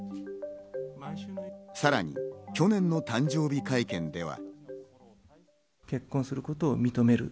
さらに去年の誕生日会見では。